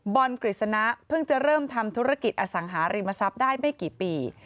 กฤษณะเพิ่งจะเริ่มทำธุรกิจอสังหาริมทรัพย์ได้ไม่กี่ปี